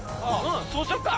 そうしようか。